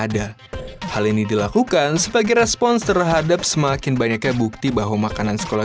ada hal ini dilakukan sebagai respons terhadap semakin banyaknya bukti bahwa makanan sekolah